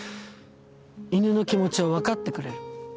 犬の気持ちを分かってくれる。